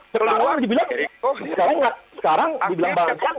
terlebih dahulu dibilang sekarang dibilang bang adian